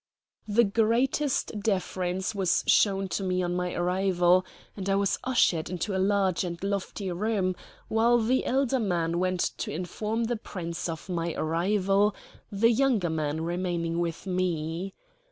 The greatest deference was shown to me on my arrival, and I was ushered into a large and lofty room, while the elder man went to inform the Prince of my arrival, the younger man remaining with me.